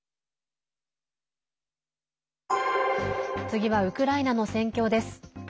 次はウクライナの戦況です。